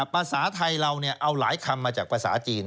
ภาษาไทยเราเอาหลายคำมาจากภาษาจีน